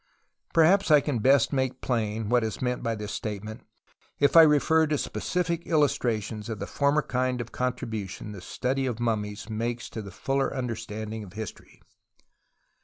THE VALLEY OF THE TOMBS 83 I'erhiips I can best make plain wliat is meant by this statement if I refer to specific illustrations of the former kind of contribution the study of mummies makes to the fuller understanding of history.